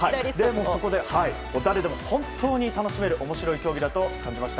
そこで誰でも本当に楽しめる面白い競技だと感じました。